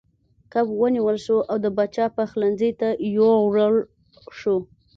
کب ونیول شو او د پاچا پخلنځي ته یووړل شو.